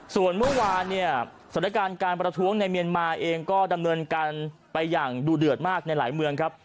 ส่วนเมื่อวานเนี่ยสถานการณ์การประท้วงในเมียนมาเองก็ดำเนินการไปอย่างดูเดือดมากในหลายเมืองครับ